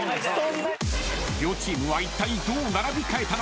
［両チームはいったいどう並び替えたのか？］